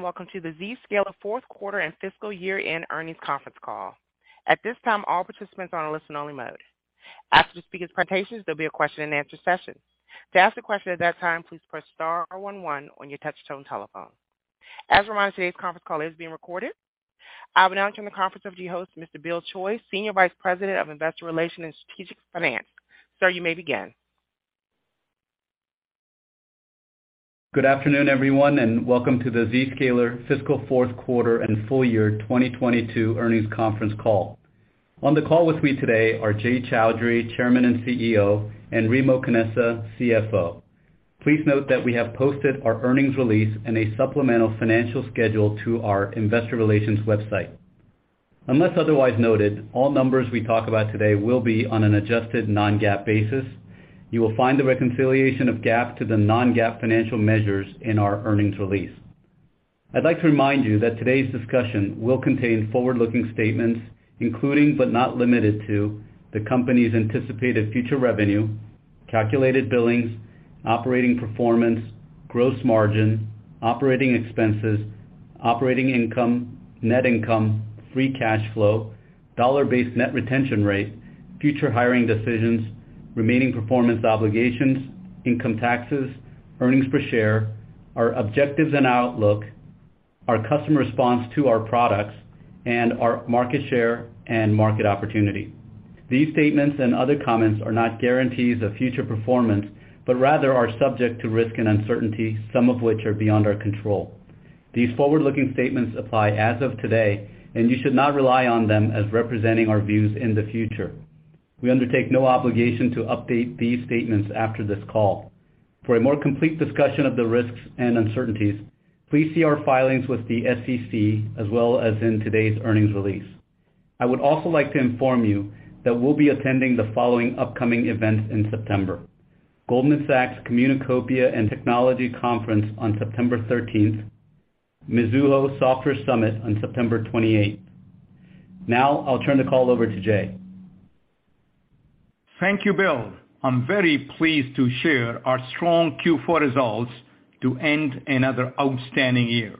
Welcome to the Zscaler fourth quarter and fiscal year-end earnings conference call. At this time, all participants are on a listen only mode. After the speaker's presentations, there'll be a question-and-answer session. To ask a question at that time, please press star one one on your touch-tone telephone. As a reminder, today's conference call is being recorded. I will now turn the conference over to your host, Mr. Bill Choi, Senior Vice President of Investor Relations and Strategic Finance. Sir, you may begin. Good afternoon, everyone, and welcome to the Zscaler fiscal fourth quarter and full year 2022 earnings conference call. On the call with me today are Jay Chaudhry, Chairman and CEO, and Remo Canessa, CFO. Please note that we have posted our earnings release and a supplemental financial schedule to our investor relations website. Unless otherwise noted, all numbers we talk about today will be on an adjusted non-GAAP basis. You will find the reconciliation of GAAP to the non-GAAP financial measures in our earnings release. I'd like to remind you that today's discussion will contain forward-looking statements, including but not limited to, the company's anticipated future revenue, calculated billings, operating performance, gross margin, operating expenses, operating income, net income, free cash flow, dollar-based net retention rate, future hiring decisions, remaining performance obligations, income taxes, earnings per share, our objectives and outlook, our customer response to our products, and our market share and market opportunity. These statements and other comments are not guarantees of future performance, but rather are subject to risk and uncertainty, some of which are beyond our control. These forward-looking statements apply as of today, and you should not rely on them as representing our views in the future. We undertake no obligation to update these statements after this call. For a more complete discussion of the risks and uncertainties, please see our filings with the SEC as well as in today's earnings release. I would also like to inform you that we'll be attending the following upcoming events in September, Goldman Sachs Communacopia and Technology Conference on September 13th, Mizuho Software Summit on September 28th. Now, I'll turn the call over to Jay. Thank you, Bill. I'm very pleased to share our strong Q4 results to end another outstanding year.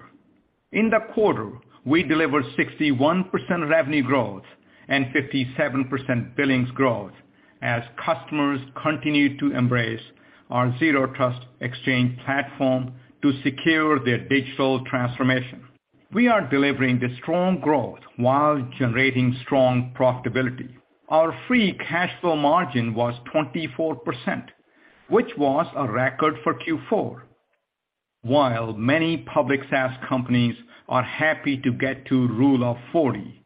In the quarter, we delivered 61% revenue growth and 57% billings growth as customers continued to embrace our Zero Trust Exchange platform to secure their digital transformation. We are delivering the strong growth while generating strong profitability. Our free cash flow margin was 24%, which was a record for Q4. While many public SaaS companies are happy to get to rule of 40,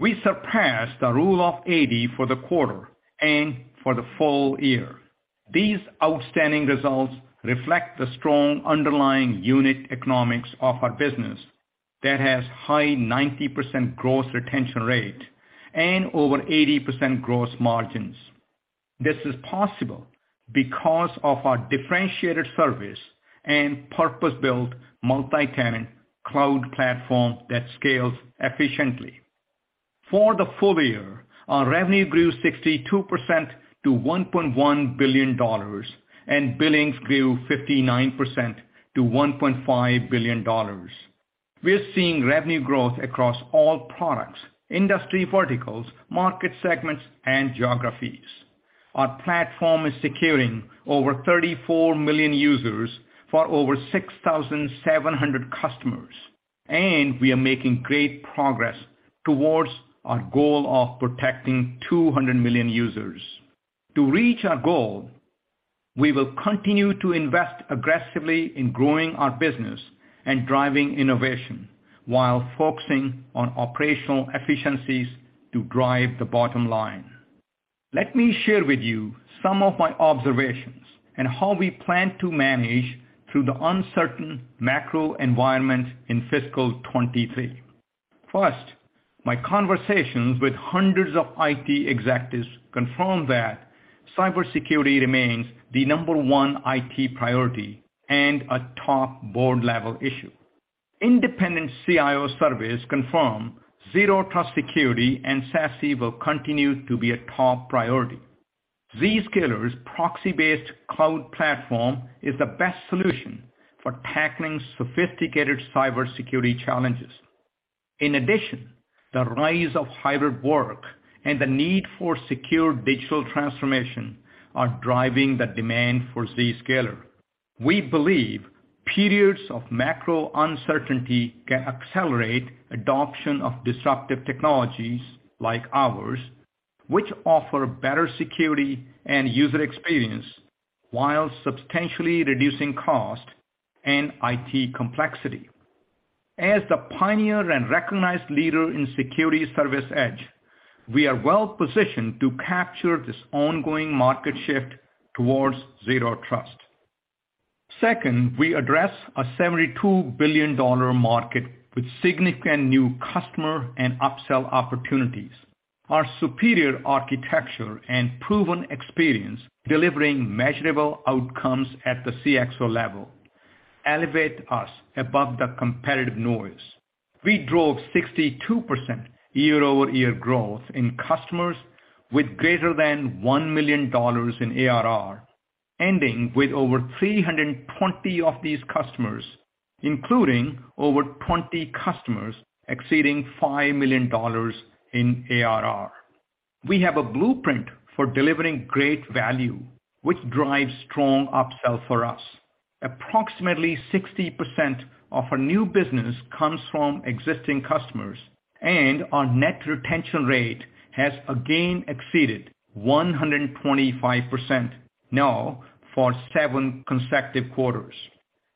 we surpassed the rule of 80 for the quarter and for the full year. These outstanding results reflect the strong underlying unit economics of our business that has high 90% gross retention rate and over 80% gross margins. This is possible because of our differentiated service and purpose-built multi-tenant cloud platform that scales efficiently. For the full year, our revenue grew 62% to $1.1 billion, and billings grew 59% to $1.5 billion. We're seeing revenue growth across all products, industry verticals, market segments, and geographies. Our platform is securing over 34 million users for over 6,700 customers, and we are making great progress towards our goal of protecting 200 million users. To reach our goal, we will continue to invest aggressively in growing our business and driving innovation while focusing on operational efficiencies to drive the bottom line. Let me share with you some of my observations and how we plan to manage through the uncertain macro environment in fiscal 2023. First, my conversations with hundreds of IT executives confirm that cybersecurity remains the number one IT priority and a top board-level issue. Independent CIO surveys confirm zero trust security and SASE will continue to be a top priority. Zscaler's proxy-based cloud platform is the best solution for tackling sophisticated cybersecurity challenges. In addition, the rise of hybrid work and the need for secure digital transformation are driving the demand for Zscaler. We believe periods of macro uncertainty can accelerate adoption of disruptive technologies like ours, which offer better security and user experience while substantially reducing cost and IT complexity. As the pioneer and recognized leader in security service edge, we are well-positioned to capture this ongoing market shift towards zero trust. Second, we address a $72 billion market with significant new customer and upsell opportunities. Our superior architecture and proven experience delivering measurable outcomes at the CXO level elevate us above the competitive noise. We drove 62% year-over-year growth in customers with greater than $1 million in ARR, ending with over 320 of these customers, including over 20 customers exceeding $5 million in ARR. We have a blueprint for delivering great value, which drives strong upsell for us. Approximately 60% of our new business comes from existing customers, and our net retention rate has again exceeded 125% now for seven consecutive quarters.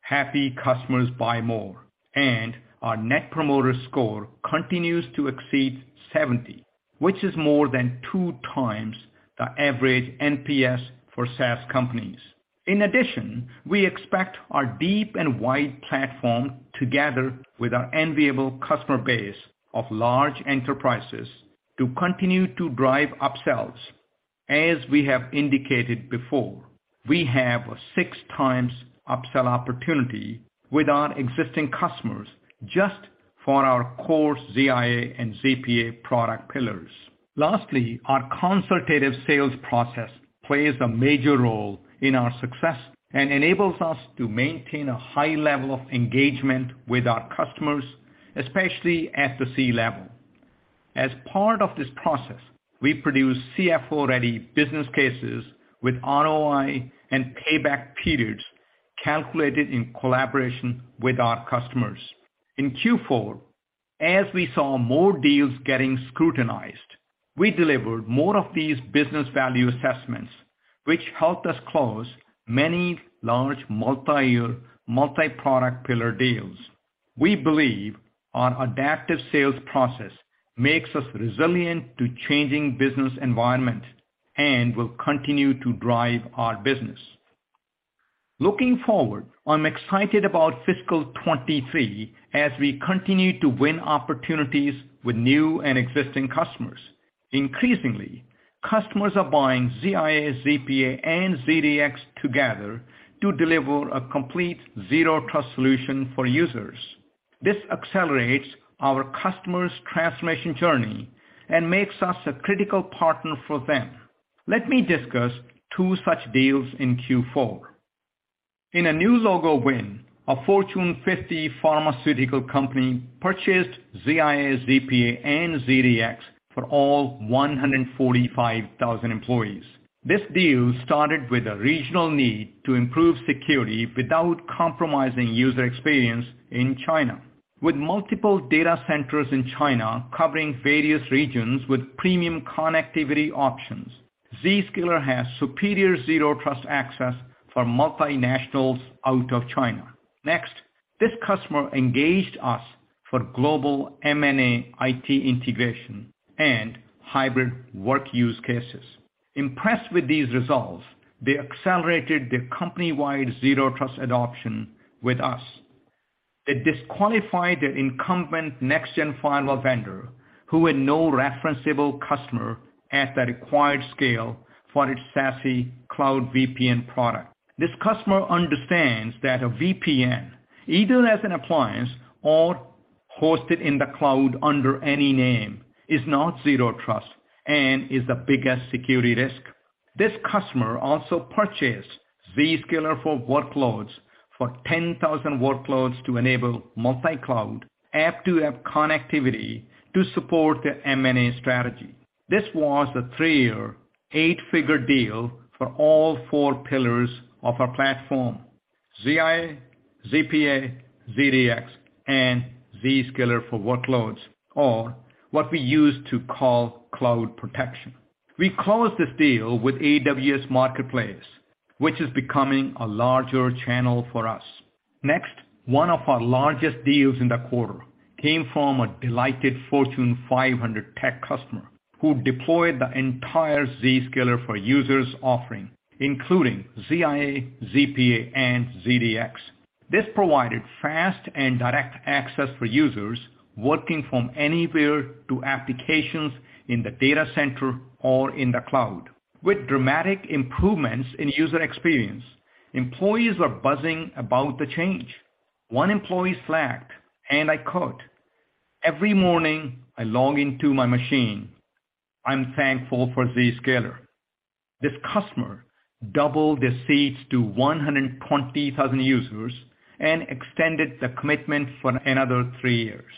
Happy customers buy more, and our net promoter score continues to exceed 70, which is more than 2x the average NPS for SaaS companies. In addition, we expect our deep and wide platform, together with our enviable customer base of large enterprises, to continue to drive upsells. As we have indicated before, we have a 6x upsell opportunity with our existing customers just for our core ZIA and ZPA product pillars. Lastly, our consultative sales process plays a major role in our success and enables us to maintain a high level of engagement with our customers, especially at the C-level. As part of this process, we produce CFO-ready business cases with ROI and payback periods calculated in collaboration with our customers. In Q4, as we saw more deals getting scrutinized, we delivered more of these business value assessments, which helped us close many large multi-year, multi-product pillar deals. We believe our adaptive sales process makes us resilient to changing business environment and will continue to drive our business. Looking forward, I'm excited about fiscal 2023 as we continue to win opportunities with new and existing customers. Increasingly, customers are buying ZIA, ZPA, and ZDX together to deliver a complete zero trust solution for users. This accelerates our customers' transformation journey and makes us a critical partner for them. Let me discuss two such deals in Q4. In a new logo win, a Fortune 50 pharmaceutical company purchased ZIA, ZPA, and ZDX for all 145,000 employees. This deal started with a regional need to improve security without compromising user experience in China. With multiple data centers in China covering various regions with premium connectivity options, Zscaler has superior zero trust access for multinationals out of China. Next, this customer engaged us for global M&A IT integration and hybrid work use cases. Impressed with these results, they accelerated their company-wide zero trust adoption with us. They disqualified their incumbent next-gen firewall vendor who had no referenceable customer at the required scale for its SASE Cloud VPN product. This customer understands that a VPN, either as an appliance or hosted in the cloud under any name, is not zero trust and is the biggest security risk. This customer also purchased Zscaler for Workloads for 10,000 workloads to enable multi-cloud app-to-app connectivity to support their M&A strategy. This was a three year, eight figure deal for all four pillars of our platform, ZIA, ZPA, ZDX, and Zscaler for Workloads or what we used to call Cloud Protection. We closed this deal with AWS Marketplace, which is becoming a larger channel for us. Next, one of our largest deals in the quarter came from a delighted Fortune 500 tech customer who deployed the entire Zscaler for users offering, including ZIA, ZPA, and ZDX. This provided fast and direct access for users working from anywhere to applications in the data center or in the cloud. With dramatic improvements in user experience, employees are buzzing about the change. One employee slacked, and I quote, Every morning I log into my machine. I'm thankful for Zscaler. This customer doubled their seats to 120,000 users and extended the commitment for another three years.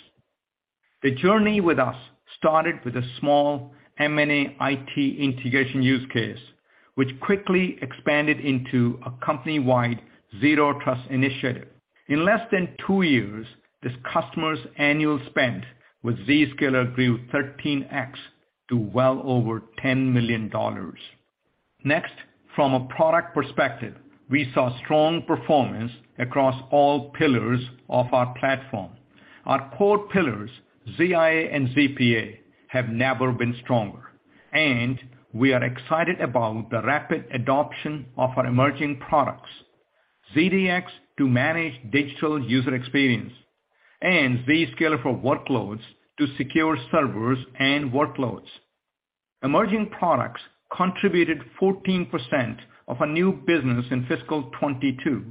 The journey with us started with a small M&A IT integration use case, which quickly expanded into a company wide zero trust initiative. In less than two years, this customer's annual spend with Zscaler grew 13x to well over $10 million. Next, from a product perspective, we saw strong performance across all pillars of our platform. Our core pillars, ZIA and ZPA, have never been stronger, and we are excited about the rapid adoption of our emerging products, ZDX, to manage digital user experience and Zscaler for Workloads to secure servers and workloads. Emerging products contributed 14% of our new business in fiscal 2022,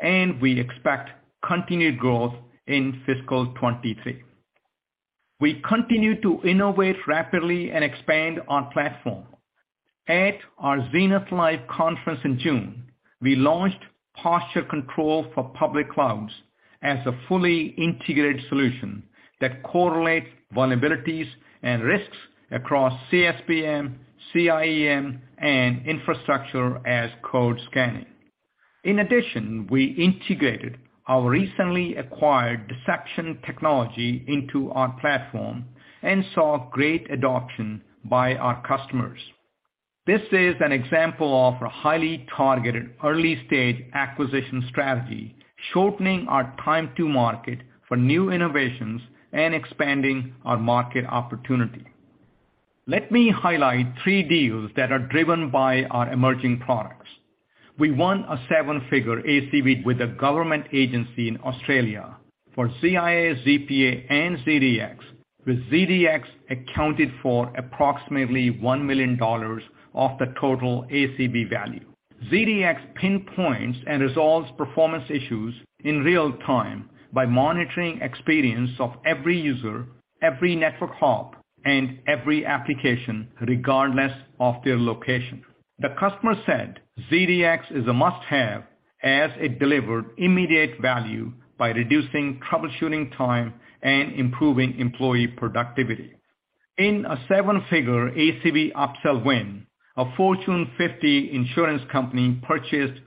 and we expect continued growth in fiscal 2023. We continue to innovate rapidly and expand our platform. At our Zenith Live conference in June, we launched Posture Control for public clouds as a fully integrated solution that correlates vulnerabilities and risks across CSPM, CIEM, and infrastructure as code scanning. In addition, we integrated our recently acquired deception technology into our platform and saw great adoption by our customers. This is an example of a highly targeted early-stage acquisition strategy, shortening our time to market for new innovations and expanding our market opportunity. Let me highlight three deals that are driven by our emerging products. We won a seven-figure ACV with a government agency in Australia for ZIA, ZPA, and ZDX, with ZDX accounted for approximately $1 million of the total ACV value. ZDX pinpoints and resolves performance issues in real time by monitoring experience of every user, every network hub, and every application, regardless of their location. The customer said ZDX is a must-have as it delivered immediate value by reducing troubleshooting time and improving employee productivity. In a seven-figure ACV upsell win, a Fortune 50 insurance company purchased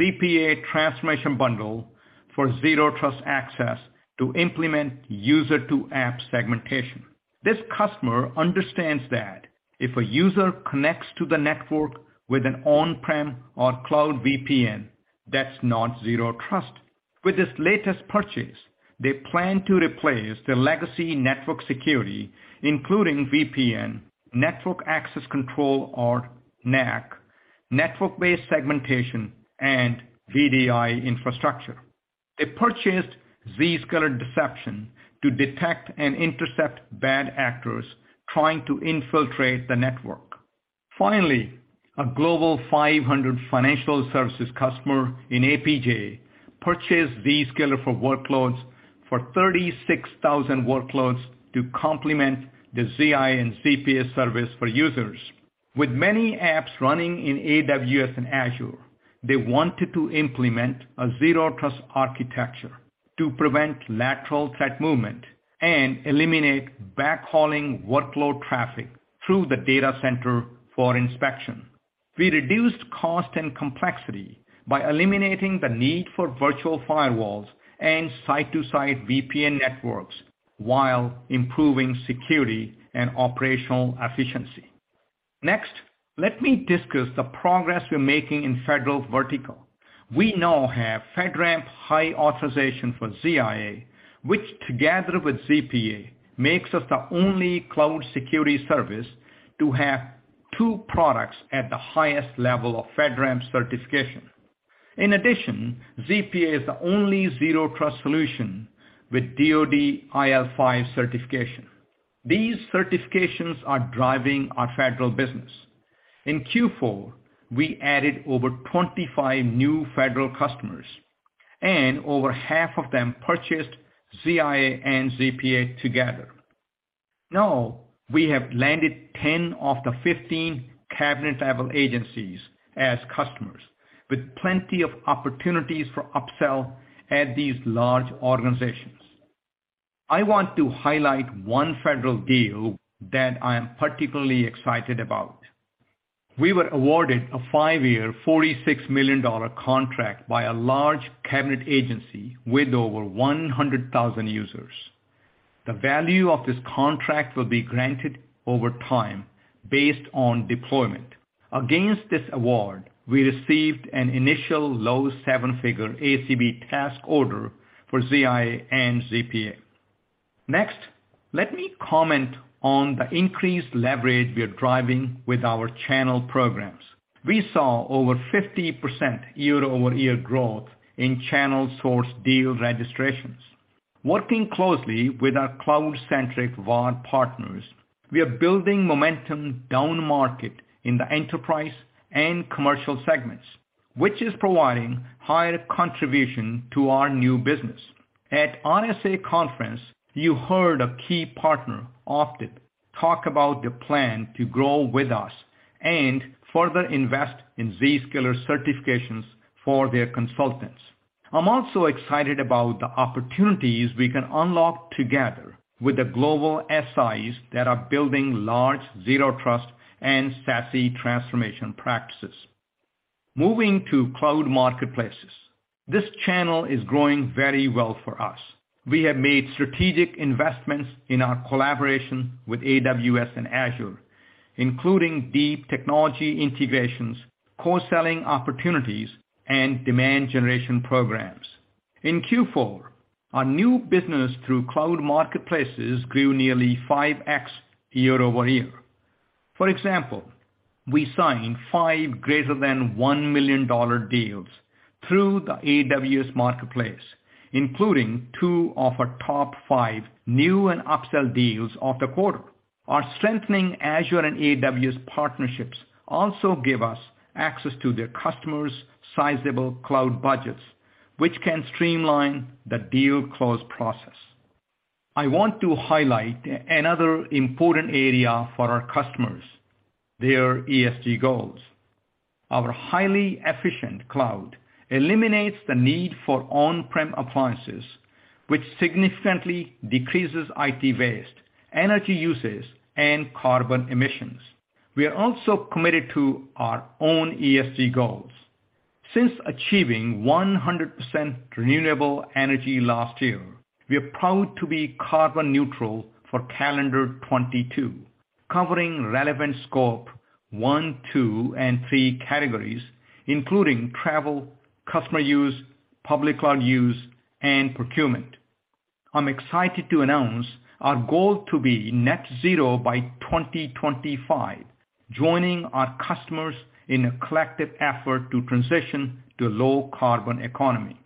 ZPA transformation bundle for zero trust access to implement user-to-app segmentation. This customer understands that if a user connects to the network with an on-prem or cloud VPN, that's not zero trust. With this latest purchase, they plan to replace the legacy network security, including VPN, Network Access Control or NAC, network-based segmentation, and VDI infrastructure. They purchased Zscaler Deception to detect and intercept bad actors trying to infiltrate the network. Finally, a global 500 financial services customer in APJ purchased Zscaler for Workloads for 36,000 workloads to complement the ZIA and ZPA service for users. With many apps running in AWS and Azure, they wanted to implement a zero trust architecture to prevent lateral threat movement and eliminate backhauling workload traffic through the data center for inspection. We reduced cost and complexity by eliminating the need for virtual firewalls and site-to-site VPN networks while improving security and operational efficiency. Next, let me discuss the progress we're making in federal vertical. We now have FedRAMP high authorization for ZIA, which together with ZPA, makes us the only cloud security service to have two products at the highest level of FedRAMP certification. In addition, ZPA is the only zero trust solution with DoD IL5 certification. These certifications are driving our federal business. In Q4, we added over 25 new federal customers, and over half of them purchased ZIA and ZPA together. Now, we have landed 10 of the 15 cabinet-level agencies as customers with plenty of opportunities for upsell at these large organizations. I want to highlight one federal deal that I am particularly excited about. We were awarded a five year, $46 million contract by a large cabinet agency with over 100,000 users. The value of this contract will be granted over time based on deployment. Against this award, we received an initial low seven-figure ACV task order for ZIA and ZPA. Next, let me comment on the increased leverage we are driving with our channel programs. We saw over 50% year-over-year growth in channel source deal registrations. Working closely with our cloud-centric VAR partners, we are building momentum downmarket in the enterprise and commercial segments, which is providing higher contribution to our new business. At RSA Conference, you heard a key partner, Optiv, talk about their plan to grow with us and further invest in Zscaler certifications for their consultants. I'm also excited about the opportunities we can unlock together with the global SIs that are building large zero trust and SASE transformation practices. Moving to cloud marketplaces. This channel is growing very well for us. We have made strategic investments in our collaboration with AWS and Azure, including deep technology integrations, cross-selling opportunities, and demand generation programs. In Q4, our new business through cloud marketplaces grew nearly 5x year-over-year. For example, we signed five greater than $1 million deals through the AWS Marketplace, including two of our top five new and upsell deals of the quarter. Our strengthening Azure and AWS partnerships also give us access to their customers' sizable cloud budgets, which can streamline the deal close process. I want to highlight another important area for our customers, their ESG goals. Our highly efficient cloud eliminates the need for on-prem appliances, which significantly decreases IT waste, energy usage, and carbon emissions. We are also committed to our own ESG goals. Since achieving 100% renewable energy last year, we are proud to be carbon neutral for calendar 2022, covering relevant Scope 1, 2, and 3 categories, including travel, customer use, public cloud use, and procurement. I'm excited to announce our goal to be net zero by 2025, joining our customers in a collective effort to transition to low carbon economy.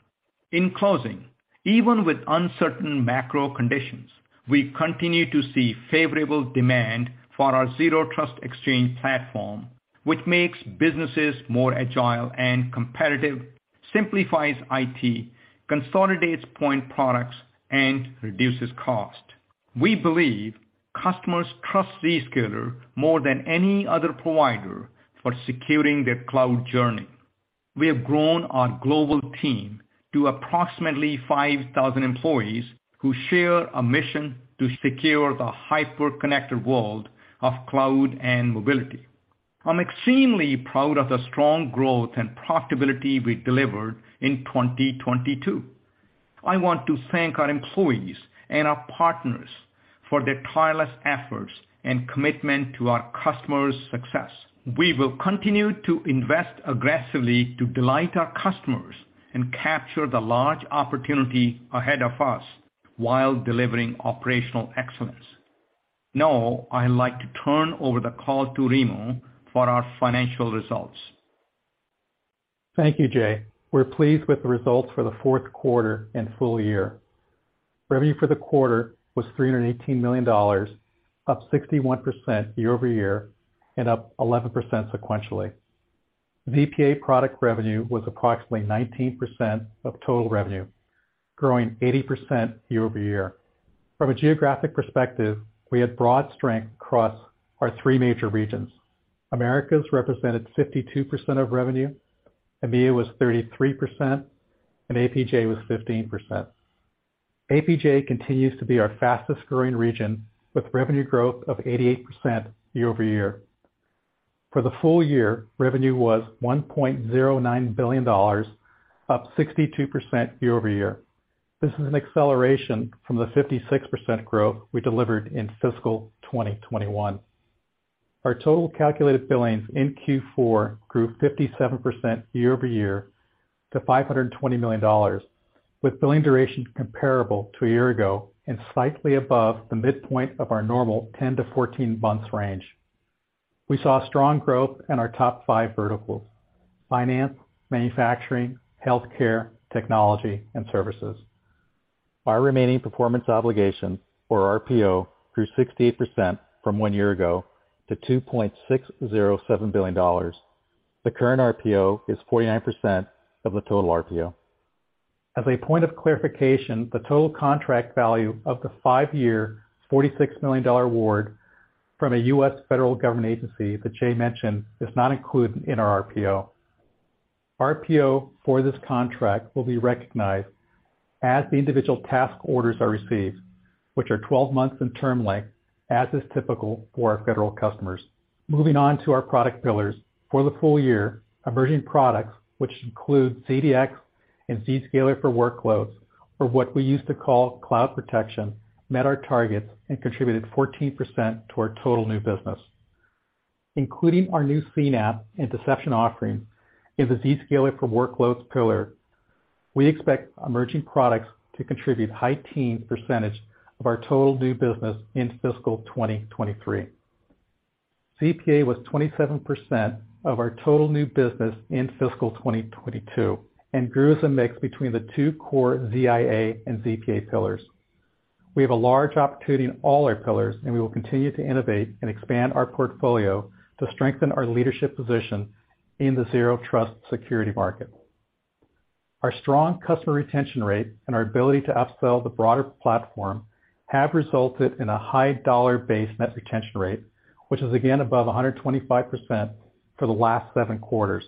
In closing, even with uncertain macro conditions, we continue to see favorable demand for our Zero Trust Exchange platform, which makes businesses more agile and competitive, simplifies IT, consolidates point products, and reduces cost. We believe customers trust Zscaler more than any other provider for securing their cloud journey. We have grown our global team to approximately 5,000 employees who share a mission to secure the hyper-connected world of cloud and mobility. I'm extremely proud of the strong growth and profitability we delivered in 2022. I want to thank our employees and our partners for their tireless efforts and commitment to our customers' success. We will continue to invest aggressively to delight our customers and capture the large opportunity ahead of us while delivering operational excellence. Now, I'd like to turn over the call to Remo for our financial results. Thank you, Jay. We're pleased with the results for the fourth quarter and full year. Revenue for the quarter was $318 million, up 61% year over year and up 11% sequentially. ZPA product revenue was approximately 19% of total revenue, growing 80% year over year. From a geographic perspective, we had broad strength across our three major regions. Americas represented 52% of revenue, EMEA was 33%, and APJ was 15%. APJ continues to be our fastest-growing region with revenue growth of 88% year over year. For the full year, revenue was $1.09 billion, up 62% year over year. This is an acceleration from the 56% growth we delivered in fiscal 2021. Our total calculated billings in Q4 grew 57% year-over-year to $520 million, with billing duration comparable to a year ago and slightly above the midpoint of our normal 10-14 months range. We saw strong growth in our top five verticals, finance, manufacturing, healthcare, technology, and services. Our remaining performance obligation, or RPO, grew 68% from one year ago to $2.607 billion. The current RPO is 49% of the total RPO. As a point of clarification, the total contract value of the five year $46 million award from a U.S. federal government agency that Jay mentioned is not included in our RPO. RPO for this contract will be recognized as the individual task orders are received, which are 12 months in term length, as is typical for our federal customers. Moving on to our product pillars. For the full year, emerging products, which include ZDX and Zscaler for Workloads, or what we used to call Cloud Protection, met our targets and contributed 14% to our total new business. Including our new CNAPP and deception offering in the Zscaler for Workloads pillar, we expect emerging products to contribute high teens percentage of our total new business in fiscal 2023. ZPA was 27% of our total new business in fiscal 2022 and grew as a mix between the two core ZIA and ZPA pillars. We have a large opportunity in all our pillars, and we will continue to innovate and expand our portfolio to strengthen our leadership position in the Zero Trust security market. Our strong customer retention rate and our ability to upsell the broader platform have resulted in a high dollar base net retention rate, which is again above 125% for the last seven quarters.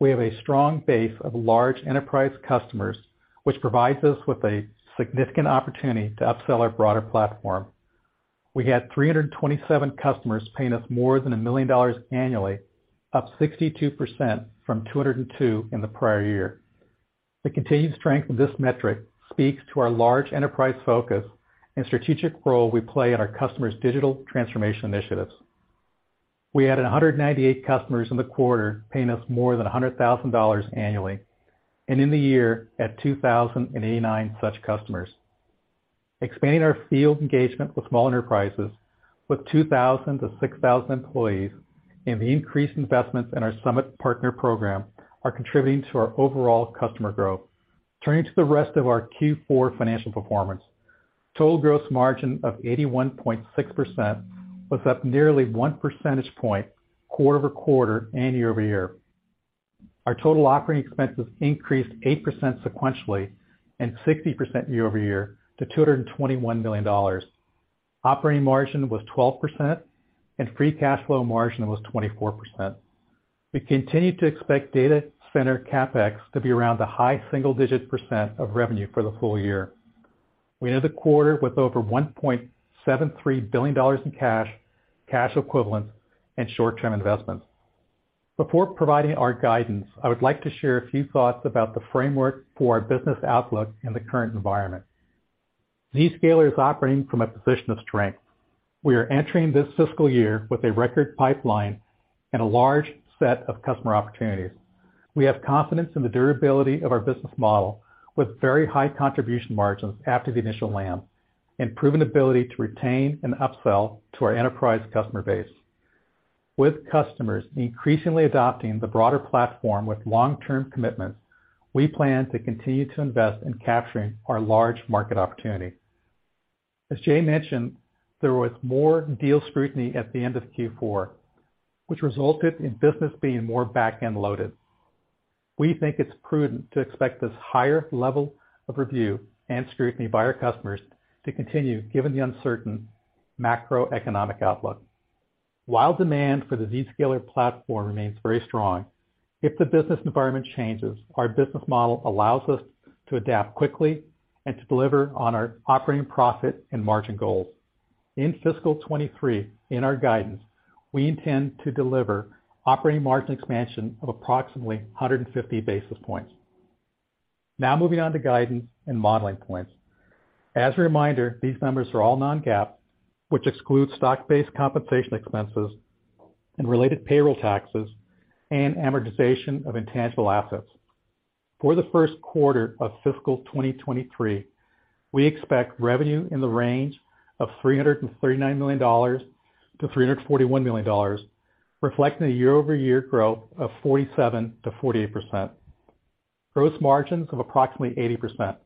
We have a strong base of large enterprise customers, which provides us with a significant opportunity to upsell our broader platform. We had 327 customers paying us more than a million dollard annually, up 62% from 202 in the prior year. The continued strength of this metric speaks to our large enterprise focus and strategic role we play in our customers' digital transformation initiatives. We added 198 customers in the quarter paying us more than $100,000 annually, and in the year had 2,089 such customers. Expanding our field engagement with small enterprises with 2,000-6,000 employees and the increased investments in our Summit partner program are contributing to our overall customer growth. Turning to the rest of our Q4 financial performance. Total gross margin of 81.6% was up nearly 1 percentage point quarter over quarter and year over year. Our total operating expenses increased 8% sequentially and 60% year over year to $221 million. Operating margin was 12% and free cash flow margin was 24%. We continue to expect data center CapEx to be around the high single-digit % of revenue for the full year. We ended the quarter with over $1.73 billion in cash equivalents and short-term investments. Before providing our guidance, I would like to share a few thoughts about the framework for our business outlook in the current environment. Zscaler is operating from a position of strength. We are entering this fiscal year with a record pipeline and a large set of customer opportunities. We have confidence in the durability of our business model, with very high contribution margins after the initial land, and proven ability to retain and upsell to our enterprise customer base. With customers increasingly adopting the broader platform with long-term commitments, we plan to continue to invest in capturing our large market opportunity. As Jay mentioned, there was more deal scrutiny at the end of Q4, which resulted in business being more back-end loaded. We think it's prudent to expect this higher level of review and scrutiny by our customers to continue given the uncertain macroeconomic outlook. While demand for the Zscaler platform remains very strong, if the business environment changes, our business model allows us to adapt quickly and to deliver on our operating profit and margin goals. In fiscal 2023, in our guidance, we intend to deliver operating margin expansion of approximately 150 basis points. Now moving on to guidance and modeling points. As a reminder, these numbers are all non-GAAP, which excludes stock-based compensation expenses and related payroll taxes and amortization of intangible assets. For the first quarter of fiscal 2023, we expect revenue in the range of $339 million-$341 million, reflecting a year-over-year growth of 47%-48%. Gross margins of approximately 80%.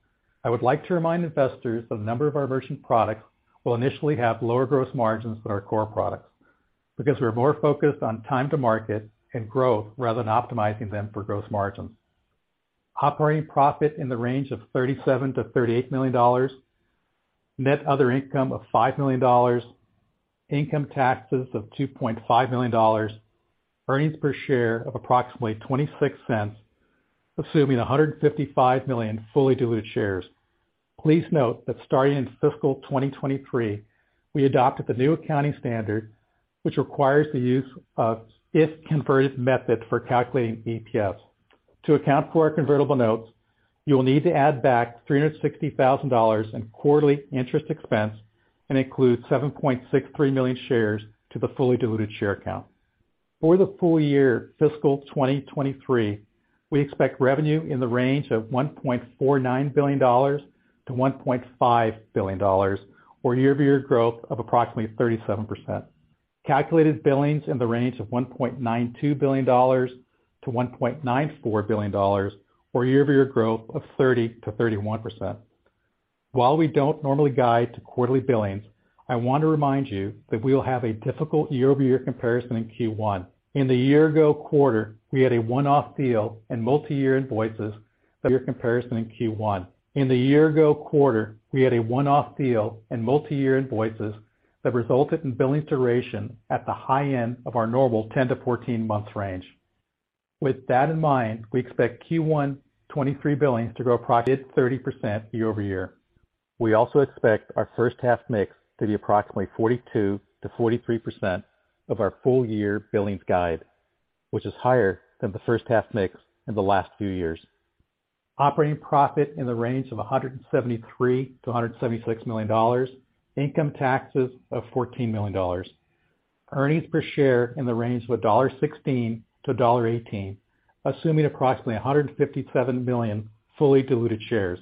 I would like to remind investors that a number of our various products will initially have lower gross margins than our core products because we're more focused on time to market and growth rather than optimizing them for gross margins. Operating profit in the range of $37 million-$38 million. Net other income of $5 million. Income taxes of $2.5 million. Earnings per share of approximately $0.26, assuming 155 million fully diluted shares. Please note that starting in fiscal 2023, we adopted the new accounting standard, which requires the use of if-converted method for calculating EPS. To account for our convertible notes, you will need to add back $360,000 in quarterly interest expense and include 7.63 million shares to the fully diluted share count. For the full year fiscal 2023, we expect revenue in the range of $1.49 billion-$1.5 billion, or year-over-year growth of approximately 37%. Calculated billings in the range of $1.92 billion-$1.94 billion, or year-over-year growth of 30%-31%. While we don't normally guide to quarterly billings, I want to remind you that we will have a difficult year-over-year comparison in Q1. In the year ago quarter, we had a one-off deal and multi-year invoices that resulted in billing duration at the high end of our normal 10-14 months range. With that in mind, we expect Q1 2023 billings to grow approximately 30% year-over-year. We also expect our first half mix to be approximately 42%-43% of our full year billings guide, which is higher than the first half mix in the last few years. Operating profit in the range of $173 million-$176 million. Income taxes of $14 million. Earnings per share in the range of $1.16-$1.18, assuming approximately 157 million fully diluted shares.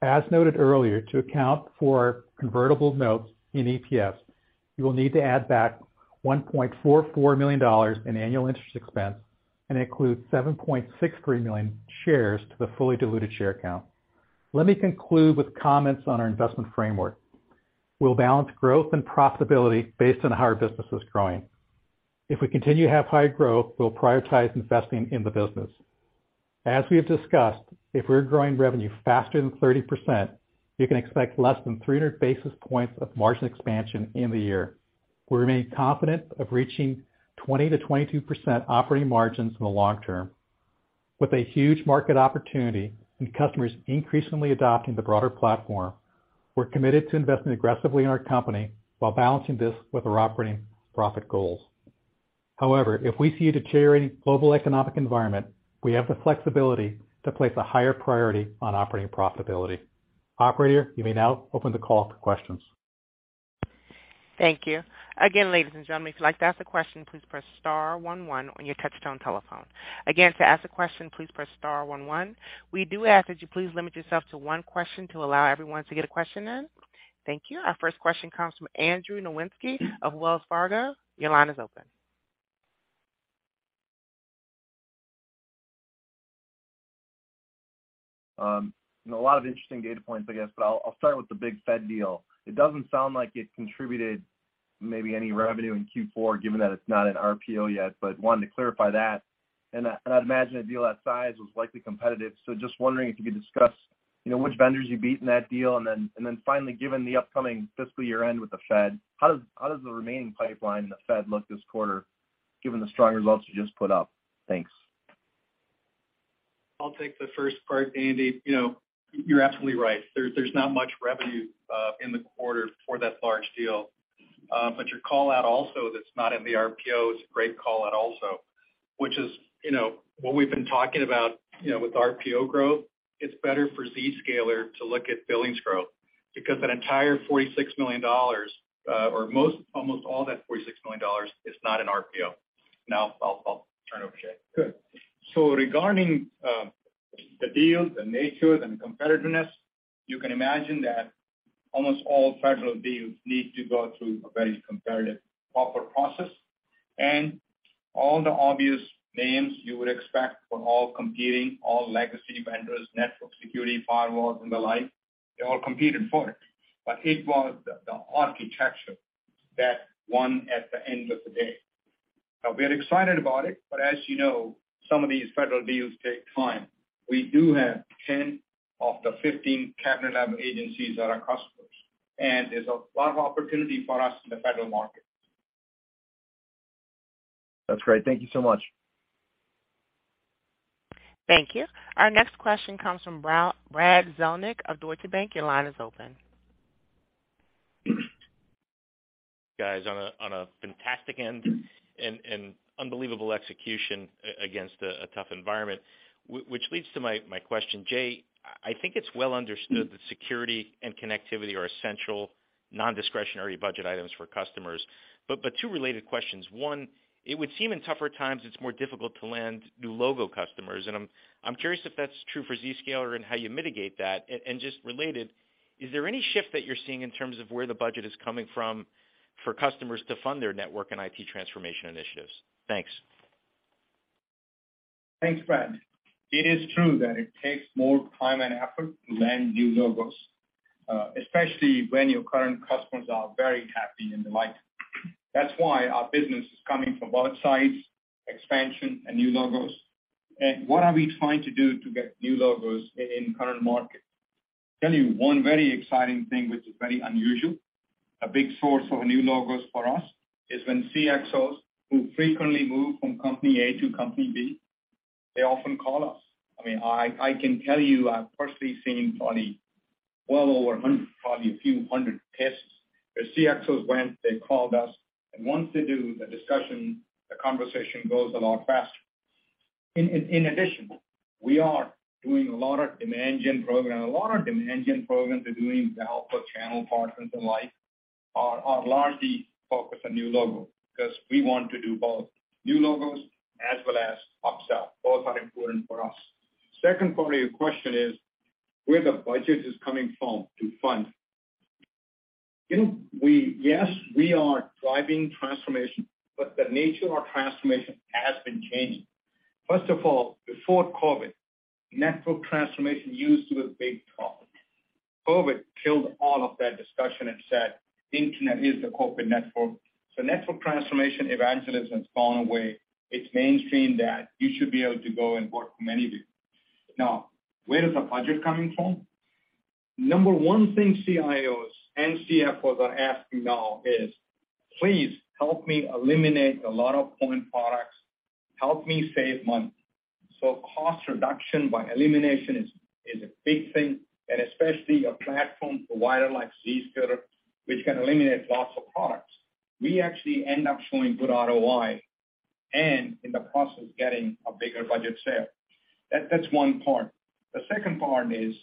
As noted earlier, to account for our convertible notes in EPS, you will need to add back $1.44 million in annual interest expense and include 7.63 million shares to the fully diluted share count. Let me conclude with comments on our investment framework. We'll balance growth and profitability based on how our business is growing. If we continue to have high growth, we'll prioritize investing in the business. As we have discussed, if we're growing revenue faster than 30%, you can expect less than 300 basis points of margin expansion in the year. We remain confident of reaching 20%-22% operating margins in the long term. With a huge market opportunity and customers increasingly adopting the broader platform, we're committed to investing aggressively in our company while balancing this with our operating profit goals. However, if we see a deteriorating global economic environment, we have the flexibility to place a higher priority on operating profitability. Operator, you may now open the call to questions. Thank you. Again, ladies and gentlemen, if you'd like to ask a question, please press star one one on your touch-tone telephone. Again, to ask a question, please press star one one. We do ask that you please limit yourself to one question to allow everyone to get a question in. Thank you. Our first question comes from Andrew Nowinski of Wells Fargo. Your line is open. A lot of interesting data points, I guess, but I'll start with the big Fed deal. It doesn't sound like it contributed maybe any revenue in Q4, given that it's not an RPO yet, but wanted to clarify that. I'd imagine a deal that size was likely competitive. Just wondering if you could discuss, you know, which vendors you beat in that deal. Then finally, given the upcoming fiscal year end with the Fed, how does the remaining pipeline in the Fed look this quarter given the strong results you just put up? Thanks. I'll take the first part, Andy. You know, you're absolutely right. There's not much revenue in the quarter for that large deal. Your call-out also that's not in the RPO is a great call-out also, which is, you know, what we've been talking about, you know, with RPO growth, it's better for Zscaler to look at billings growth because that entire $46 million or most, almost all that $46 million is not an RPO. Now, I'll turn it over to Jay. Good. Regarding the deal, the nature, the competitiveness, you can imagine that almost all federal deals need to go through a very competitive proper process. All the obvious names you would expect for all competing, all legacy vendors, network security, firewalls, and the like, they all competed for it. It was the architecture that won at the end of the day. Now we're excited about it, but as you know, some of these federal deals take time. We do have 10 of the 15 cabinet-level agencies that are customers, and there's a lot of opportunity for us in the federal market. That's great. Thank you so much. Thank you. Our next question comes from Brad Zelnick of Deutsche Bank. Your line is open. Guys, on a fantastic end and unbelievable execution against a tough environment. Which leads to my question. Jay, I think it's well understood that security and connectivity are essential non-discretionary budget items for customers. Two related questions. One, it would seem in tougher times it's more difficult to land new logo customers, and I'm curious if that's true for Zscaler and how you mitigate that. Just related, is there any shift that you're seeing in terms of where the budget is coming from for customers to fund their network and IT transformation initiatives? Thanks. Thanks, Brad. It is true that it takes more time and effort to land new logos, especially when your current customers are very happy and the like. That's why our business is coming from both sides, expansion and new logos. What are we trying to do to get new logos in current market? Tell you one very exciting thing, which is very unusual, a big source of new logos for us is when CxOs who frequently move from company A to company B, they often call us. I mean, I can tell you I've personally seen probably well over 100, probably a few 100 times. The CxOs went, they called us, and once they do the discussion, the conversation goes a lot faster. In addition, we are doing a lot of demand gen program. A lot of demand gen programs are doing the outbound channel partners and the like are largely focused on new logo because we want to do both new logos as well as upsell. Both are important for us. Second part of your question is where the budget is coming from to fund. You know, yes, we are driving transformation, but the nature of transformation has been changing. First of all, before COVID, network transformation used to be a big topic. COVID killed all of that discussion and said internet is the corporate network. Network transformation evangelism has gone away. It's mainstream that you should be able to go and work from anywhere. Now, where is the budget coming from? Number one thing CIOs and CFOs are asking now is, "Please help me eliminate a lot of point products. Help me save money." Cost reduction by elimination is a big thing, and especially a platform provider like Zscaler, which can eliminate lots of products. We actually end up showing good ROI and in the process getting a bigger budget sale. That's one part. The second part is,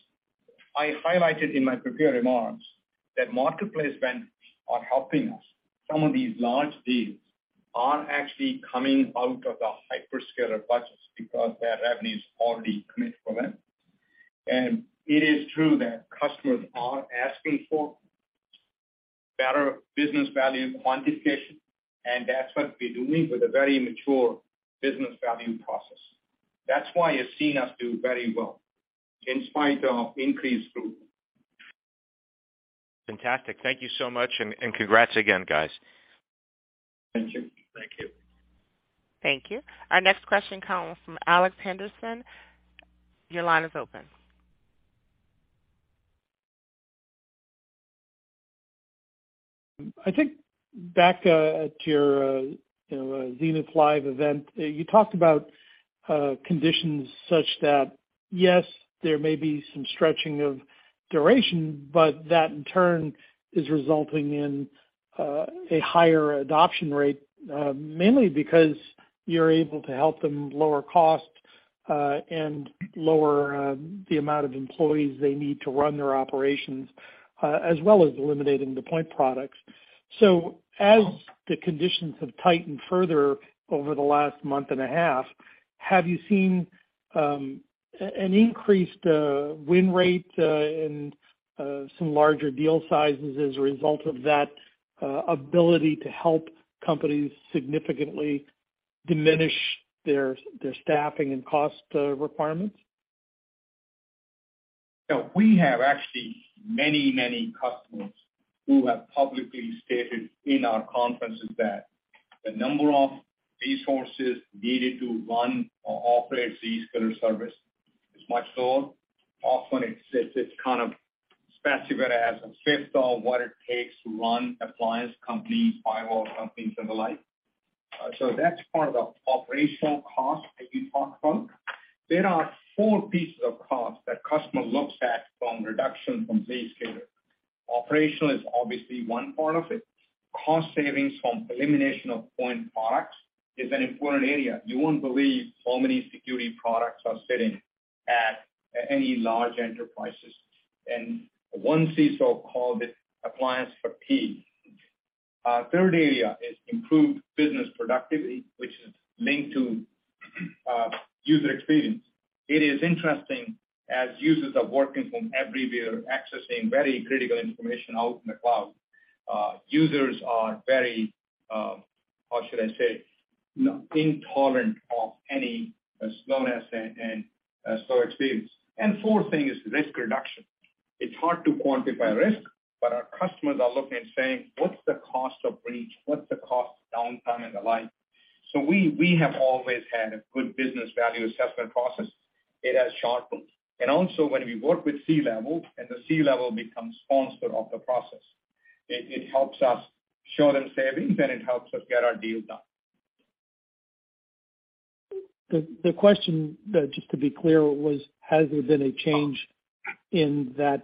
I highlighted in my prepared remarks that marketplace vendors are helping us. Some of these large deals are actually coming out of the hyperscaler budgets because their revenue is already committed from them. It is true that customers are asking for better business value quantification, and that's what we're doing with a very mature business value process. That's why you're seeing us do very well in spite of increased scrutiny. Fantastic. Thank you so much, and congrats again, guys. Thank you. Thank you. Thank you. Our next question comes from Alex Henderson. Your line is open. I think back to your you know Zenith Live event, you talked about conditions such that, yes, there may be some stretching of duration, but that in turn is resulting in a higher adoption rate, mainly because you're able to help them lower costs and lower the amount of employees they need to run their operations, as well as eliminating the point products. As the conditions have tightened further over the last month and a half, have you seen an increased win rate and some larger deal sizes as a result of that ability to help companies significantly diminish their staffing and cost requirements? We have actually many, many customers who have publicly stated in our conferences that the number of resources needed to run or operate Zscaler service is much lower. Often it's kind of specified as a fifth of what it takes to run appliance companies, firewall companies, and the like. That's part of the operational cost that you talked about. There are four pieces of cost that customer looks at from reduction from Zscaler. Operational is obviously one part of it. Cost savings from elimination of point products is an important area. You won't believe how many security products are sitting at any large enterprises. One CSO called it appliance fatigue. Third area is improved business productivity, which is linked to user experience. It is interesting as users are working from everywhere, accessing very critical information out in the cloud, users are very, how should I say, intolerant of any slowness and slow experience. Fourth thing is risk reduction. It's hard to quantify risk, but our customers are looking and saying, "What's the cost of breach? What's the cost of downtime and the like?" We have always had a good business value assessment process. It has sharpened. Also, when we work with C-level and the C-level becomes sponsor of the process, it helps us show them savings, and it helps us get our deals done. The question, just to be clear, was has there been a change in that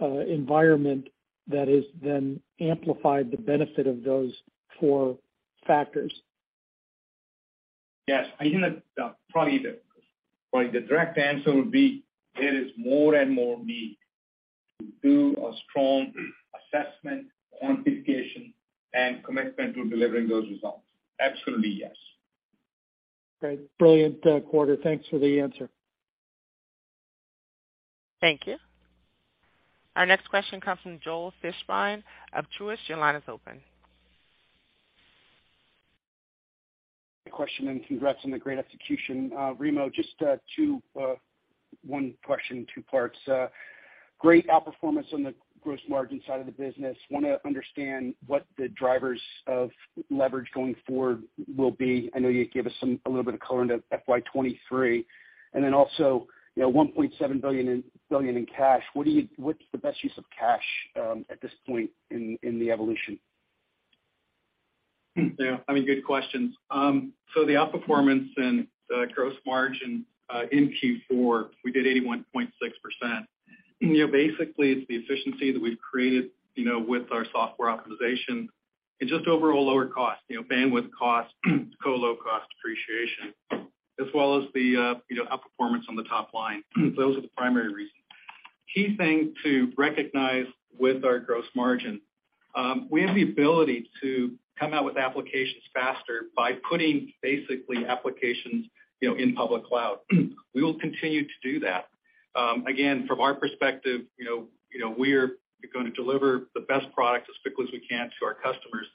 environment that has then amplified the benefit of those four factors? Yes. I think that probably the direct answer would be there is more and more need to do a strong assessment, quantification, and commitment to delivering those results. Absolutely, yes. Great. Brilliant, quarter. Thanks for the answer. Thank you. Our next question comes from Joel Fishbein of Truist. Your line is open. Question, congrats on the great execution. Remo, just one question, two parts. Great outperformance on the gross margin side of the business. Wanna understand what the drivers of leverage going forward will be. I know you gave us some, a little bit of color into FY 2023. You know, $1.7 billion in cash. What's the best use of cash at this point in the evolution? Yeah. I mean, good questions. The outperformance and gross margin in Q4, we did 81.6%. You know, basically, it's the efficiency that we've created, you know, with our software optimization and just overall lower cost, you know, bandwidth cost, colo cost appreciation, as well as the, you know, outperformance on the top line. Those are the primary reasons. Key thing to recognize with our gross margin, we have the ability to come out with applications faster by putting basically applications, you know, in public cloud. We will continue to do that. Again, from our perspective, you know, you know, we're gonna deliver the best product as quickly as we can to our customers.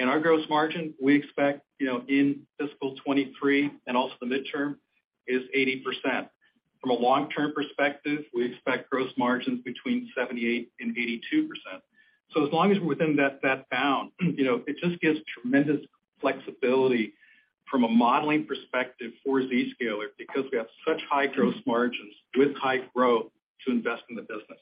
Our gross margin, we expect, you know, in fiscal 2023 and also the midterm is 80%. From a long-term perspective, we expect gross margins between 78%-82%. As long as we're within that bound, you know, it just gives tremendous flexibility from a modeling perspective for Zscaler because we have such high gross margins with high growth to invest in the business.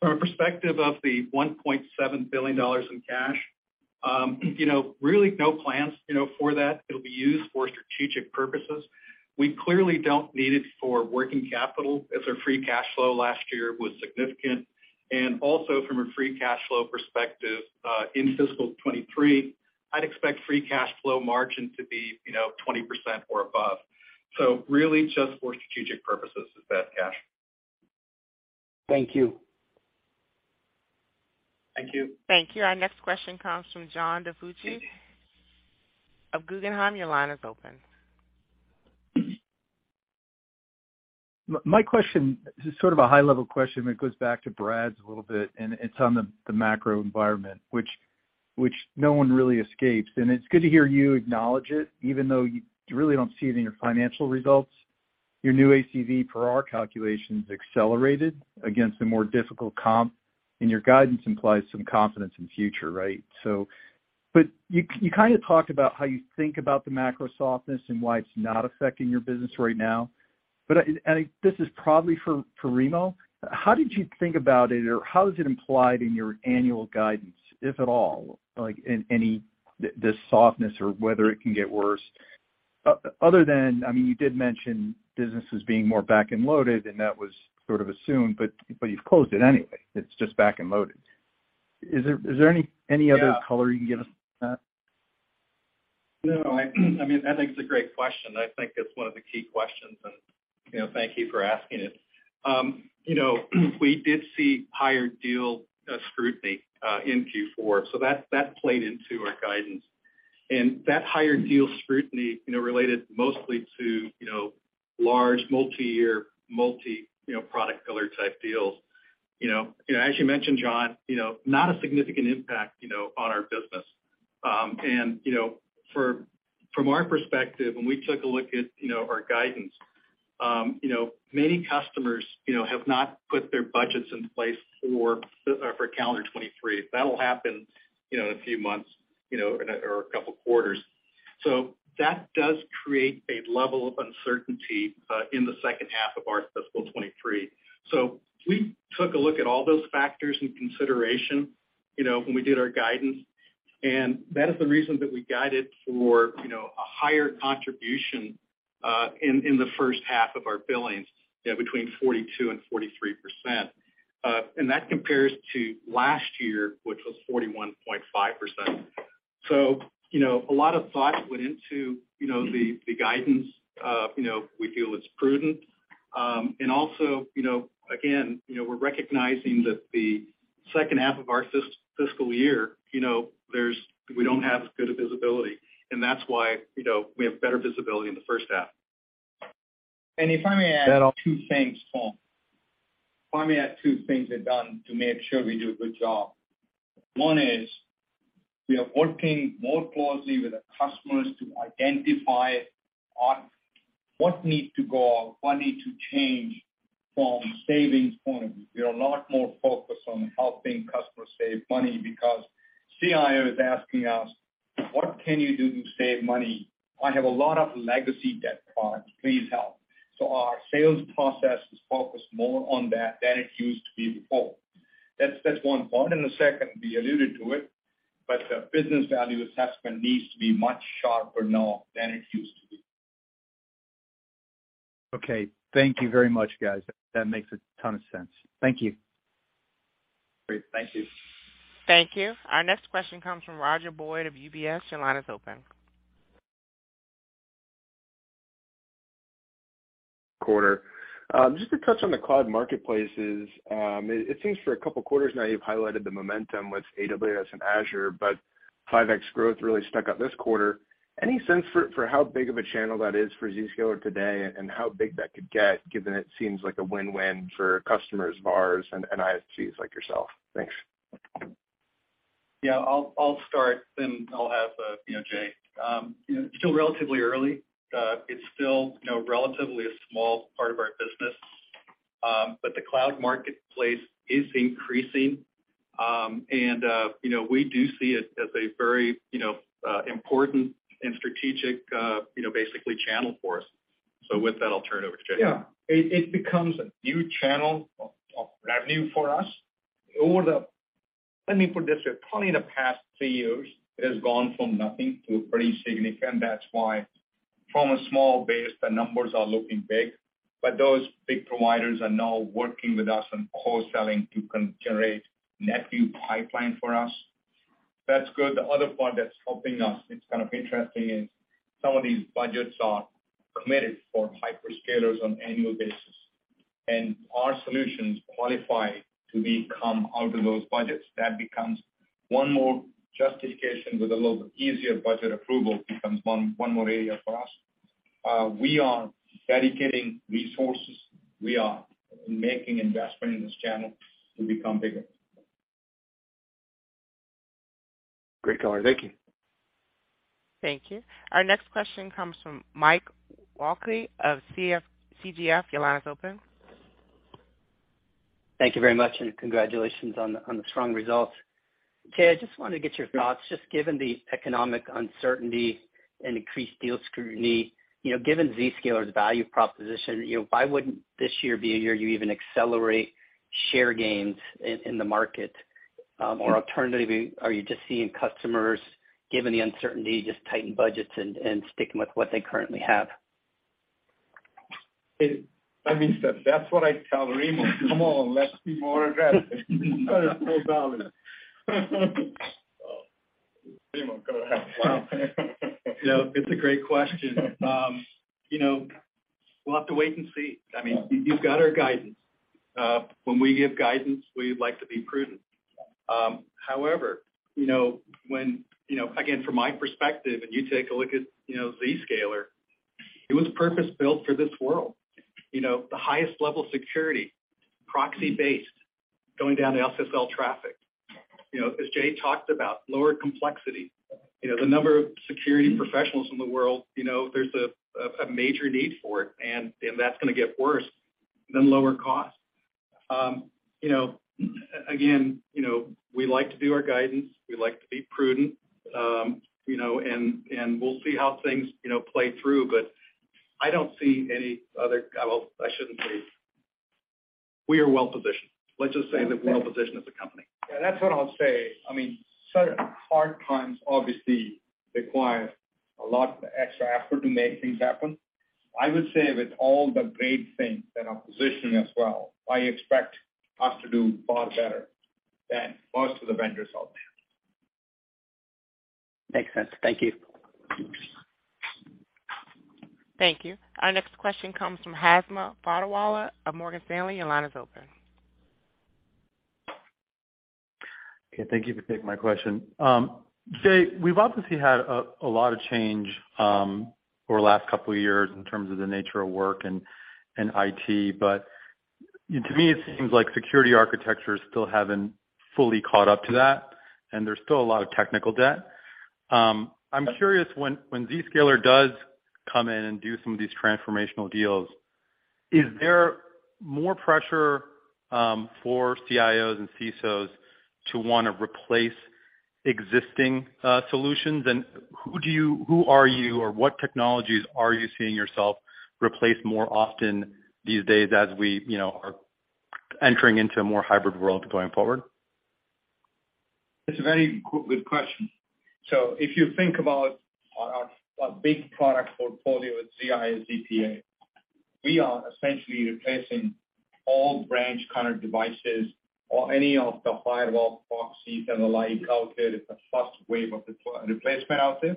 From a perspective of the $1.7 billion in cash, you know, really no plans, you know, for that. It'll be used for strategic purposes. We clearly don't need it for working capital as our free cash flow last year was significant. Also, from a free cash flow perspective, in fiscal 2023, I'd expect free cash flow margin to be, you know, 20% or above. Really just for strategic purposes with that cash. Thank you. Thank you. Thank you. Our next question comes from John DiFucci of Guggenheim. Your line is open. My question is sort of a high-level question, but it goes back to Brad's a little bit, and it's on the macro environment, which no one really escapes. It's good to hear you acknowledge it, even though you really don't see it in your financial results. Your new ACV per our calculations accelerated against a more difficult comp, and your guidance implies some confidence in future, right? But you kinda talked about how you think about the macro softness and why it's not affecting your business right now. This is probably for Remo. How did you think about it, or how is it implied in your annual guidance, if at all, like in any this softness or whether it can get worse? Other than, I mean, you did mention businesses being more back and loaded, and that was sort of assumed, but you've closed it anyway. It's just back and loaded. Is there any other color you can give us on that? No. I mean, I think it's a great question. I think it's one of the key questions, and you know, thank you for asking it. You know, we did see higher deal scrutiny in Q4, so that played into our guidance. That higher deal scrutiny you know, related mostly to large multiyear multi-product deals. You know, as you mentioned, John, you know, not a significant impact on our business. From our perspective, when we took a look at our guidance, you know, many customers have not put their budgets in place for calendar 2023. That'll happen you know, in a few months or a couple quarters. That does create a level of uncertainty in the second half of our fiscal 2023. We took a look at all those factors in consideration, you know, when we did our guidance, and that is the reason that we guided for, you know, a higher contribution in the first half of our billings, between 42% and 43%. That compares to last year, which was 41.5%. You know, a lot of thought went into the guidance. You know, we feel it's prudent. Also, you know, again, you know, we're recognizing that the second half of our fiscal year, you know, we don't have as good a visibility, and that's why, you know, we have better visibility in the first half. If I may add two things they've done to make sure we do a good job. One is we are working more closely with our customers to identify on what needs to go out, what need to change from savings point of view. We are a lot more focused on helping customers save money because CIO is asking us, "What can you do to save money? I have a lot of legacy dead products. Please help." Our sales process is focused more on that than it used to be before. That's one point. The second, we alluded to it, but the business value assessment needs to be much sharper now than it used to be. Okay. Thank you very much, guys. That makes a ton of sense. Thank you. Great. Thank you. Thank you. Our next question comes from Roger Boyd of UBS. Your line is open. Quarter. Just to touch on the cloud marketplaces, it seems for a couple quarters now you've highlighted the momentum with AWS and Azure, but 5x growth really stuck out this quarter. Any sense for how big of a channel that is for Zscaler today, and how big that could get, given it seems like a win-win for customers of ours and ISVs like yourself? Thanks. Yeah, I'll start, then I'll have you know, Jay. You know, still relatively early. It's still, you know, relatively a small part of our business. The cloud marketplace is increasing. You know, we do see it as a very you know, important and strategic you know, basically channel for us. With that, I'll turn it over to Jay. Yeah. It becomes a new channel of revenue for us. Let me put this way, probably in the past three years, it has gone from nothing to pretty significant. That's why from a small base, the numbers are looking big. Those big providers are now working with us on wholesaling to generate net new pipeline for us. That's good. The other part that's helping us, it's kind of interesting, is some of these budgets are committed for hyperscalers on annual basis, and our solutions qualify to come out of those budgets. That becomes one more justification with a little bit easier budget approval, becomes one more area for us. We are dedicating resources. We are making investment in this channel to become bigger. Great color. Thank you. Thank you. Our next question comes from Mike Walkley of CGF. Your line is open. Thank you very much, and congratulations on the strong results. Jay, I just wanted to get your thoughts, just given the economic uncertainty and increased deal scrutiny, you know, given Zscaler's value proposition, you know, why wouldn't this year be a year you even accelerate share gains in the market? Alternatively, are you just seeing customers, given the uncertainty, just tighten budgets and sticking with what they currently have? I mean, that's what I tell Remo. Come on, let's be more aggressive. Let's go get them. Remo, go ahead. You know, it's a great question. You know, we'll have to wait and see. I mean, you've got our guidance. When we give guidance, we like to be prudent. However, you know, when, you know, again, from my perspective, and you take a look at, you know, Zscaler, it was purpose-built for this world. You know, the highest level of security, proxy-based, going down to SSL traffic. You know, as Jay talked about, lower complexity. You know, the number of security professionals in the world, you know, there's a major need for it, and that's gonna get worse, then lower cost. You know, again, you know, we like to do our guidance. We like to be prudent. You know, and we'll see how things, you know, play through, but I don't see any other. Well, I shouldn't say. We are well-positioned. Let's just say that we're well-positioned as a company. Yeah, that's what I'll say. I mean, certain hard times obviously require a lot extra effort to make things happen. I would say with all the great things that are positioning us well, I expect us to do far better than most of the vendors out there. Makes sense. Thank you. Thank you. Our next question comes from Hamza Fodderwala of Morgan Stanley. Your line is open. Okay, thank you for taking my question. Jay, we've obviously had a lot of change over the last couple of years in terms of the nature of work and IT. To me, it seems like security architecture still haven't fully caught up to that, and there's still a lot of technical debt. I'm curious, when Zscaler does come in and do some of these transformational deals, is there more pressure for CIOs and CSOs to wanna replace existing solutions? Who are you or what technologies are you seeing yourself replace more often these days as we, you know, are entering into a more hybrid world going forward? It's a very good question. If you think about our big product portfolio at ZIA and ZPA, we are essentially replacing all branch kind of devices or any of the firewall proxies and the like out there. It's the first wave of the replacement out there.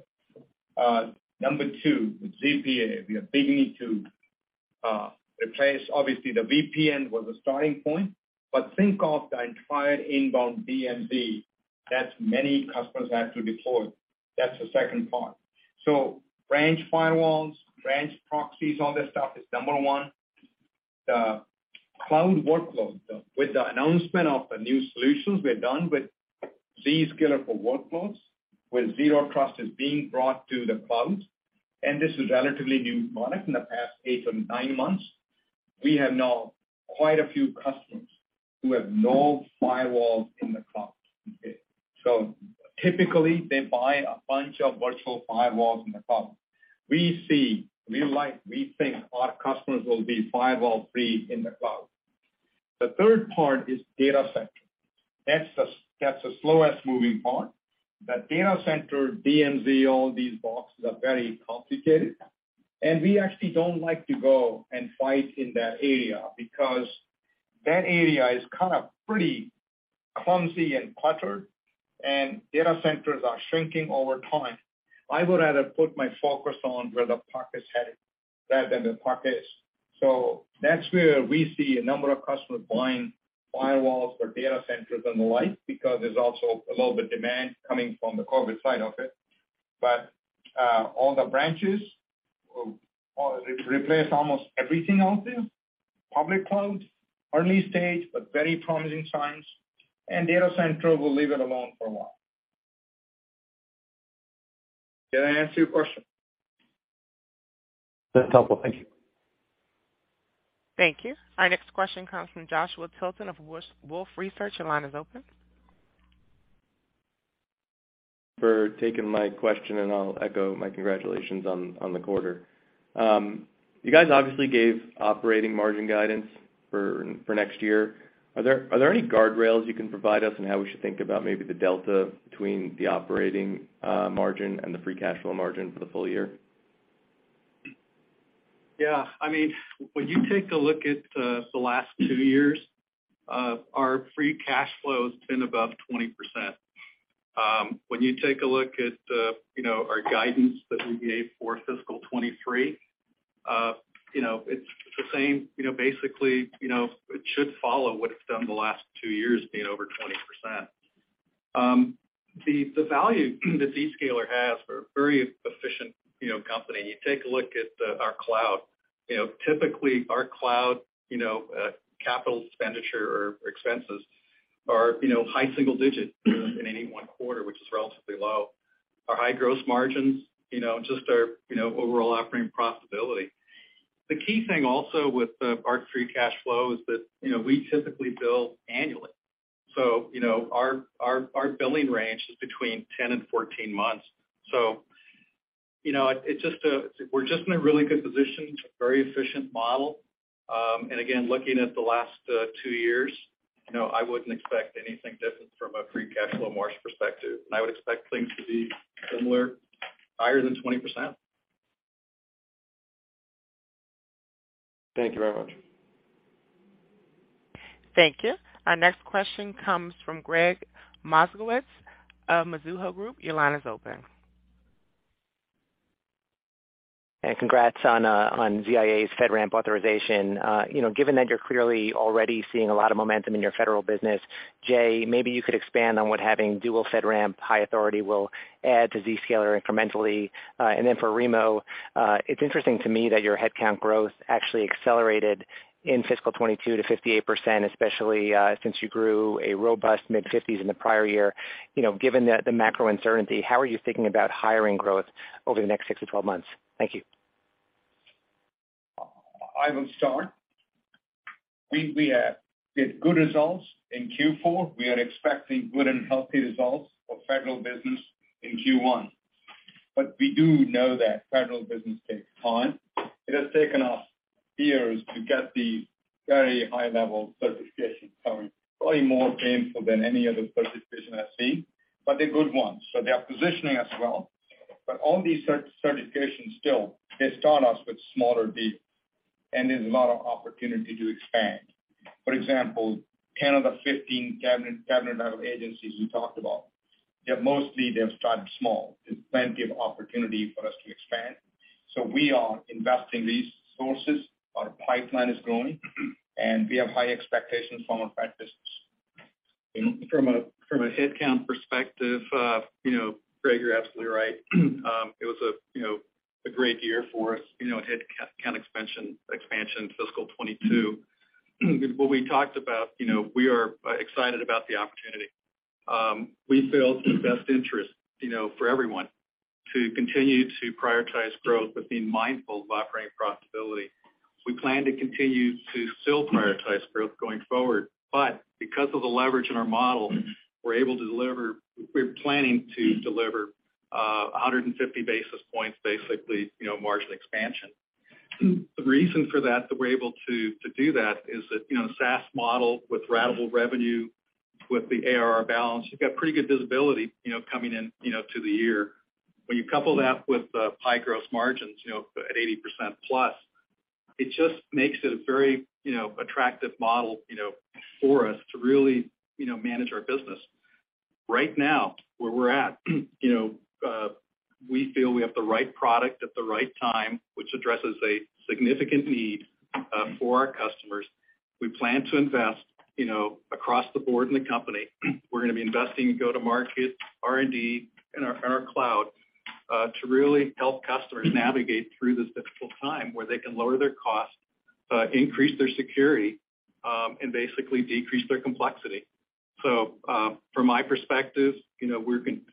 Number two, with ZPA, we have big need to replace, obviously the VPN was the starting point, but think of the entire inbound DMZ that many customers had to deploy. That's the second part. Branch firewalls, branch proxies, all that stuff is number one. The cloud workload, with the announcement of the new solutions we have done with Zscaler for Workloads, where Zero Trust is being brought to the cloud, and this is relatively new product in the past eight or nine months. We have now quite a few customers who have no firewalls in the cloud. Typically they buy a bunch of virtual firewalls in the cloud. We see, we like, we think our customers will be firewall-free in the cloud. The third part is data center. That's the slowest moving part. The data center, DMZ, all these boxes are very complicated, and we actually don't like to go and fight in that area because that area is kind of pretty clumsy and cluttered, and data centers are shrinking over time. I would rather put my focus on where the puck is headed rather than the puck is. That's where we see a number of customers buying firewalls for data centers and the like because there's also a little bit demand coming from the COVID side of it. All the branches will replace almost everything out there. Public cloud, early stage, but very promising signs. Data center, we'll leave it alone for a while. Did I answer your question? That's helpful. Thank you. Thank you. Our next question comes from Joshua Tilton of Wolfe Research. Your line is open. For taking my question, and I'll echo my congratulations on the quarter. You guys obviously gave operating margin guidance for next year. Are there any guardrails you can provide us on how we should think about maybe the delta between the operating margin and the free cash flow margin for the full year? Yeah. I mean, when you take a look at the last two years, our free cash flow has been above 20%. When you take a look at, you know, our guidance that we gave for fiscal 2023, you know, it's the same. You know, basically, you know, it should follow what it's done the last two years being over 20%. The value that Zscaler has, we're a very efficient, you know, company. You take a look at our cloud. You know, typically our cloud, you know, capital expenditure or expenses are, you know, high single digit in any one quarter, which is relatively low. Our high gross margins, you know, just our, you know, overall operating profitability. The key thing also with our free cash flow is that, you know, we typically bill annually, so, you know, our billing range is between 10 and 14 months. You know, we're just in a really good position. It's a very efficient model. Again, looking at the last two years, you know, I wouldn't expect anything different from a free cash flow margin perspective, and I would expect things to be similar, higher than 20%. Thank you very much. Thank you. Our next question comes from Gregg Moskowitz of Mizuho Group. Your line is open. Congrats on ZIA's FedRAMP authorization. You know, given that you're clearly already seeing a lot of momentum in your federal business, Jay, maybe you could expand on what having dual FedRAMP High authority will add to Zscaler incrementally. For Remo, it's interesting to me that your headcount growth actually accelerated in fiscal 2022 to 58%, especially since you grew a robust mid-50s in the prior year. You know, given the macro uncertainty, how are you thinking about hiring growth over the next six to 12 months? Thank you. I will start. We did good results in Q4. We are expecting good and healthy results for federal business in Q1. We do know that federal business takes time. It has taken us years to get the very high level certification coming, probably more painful than any other certification I've seen, but they're good ones, so they are positioning us well. On these certifications still, they start us with smaller deals, and there's a lot of opportunity to expand. For example, 10 of the 15 cabinet level agencies we talked about. Yeah, mostly they've started small. There's plenty of opportunity for us to expand. We are investing resources, our pipeline is growing, and we have high expectations from our practices. From a headcount perspective, you know, Gregg Moskowitz, you're absolutely right. It was a great year for us, you know, headcount expansion fiscal 2022. What we talked about, you know, we are excited about the opportunity. We feel it's in the best interest, you know, for everyone to continue to prioritize growth, but being mindful of operating profitability. We plan to continue to still prioritize growth going forward, but because of the leverage in our model, we're planning to deliver 150 basis points, basically, you know, margin expansion. The reason for that we're able to do that is that, you know, SaaS model with ratable revenue, with the ARR balance, you've got pretty good visibility, you know, coming in, you know, to the year. When you couple that with high gross margins, you know, at 80%+, it just makes it a very, you know, attractive model, you know, for us to really, you know, manage our business. Right now, where we're at, you know, we feel we have the right product at the right time, which addresses a significant need for our customers. We plan to invest, you know, across the board in the company. We're gonna be investing go-to-market R&D in our, in our cloud to really help customers navigate through this difficult time where they can lower their cost, increase their security, and basically decrease their complexity. From my perspective, you know,